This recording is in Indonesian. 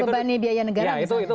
dan ngebebani biaya negara misalnya